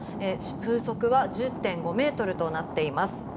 風速は１０．５メートルとなっています。